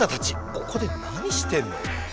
ここで何してるの？